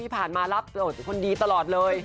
แฟนมารับคนดีตลอดเลย